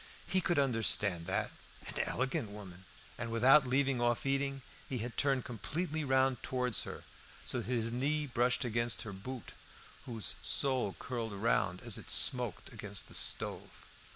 He could understand that; an elegant woman! and, without leaving off eating, he had turned completely round towards her, so that his knee brushed against her boot, whose sole curled round as it smoked against the stove.